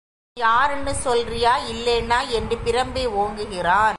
நீ யாருன்னு சொல்றியா இல்லேன்னா என்று பிரம்பை ஓங்குகிறான்.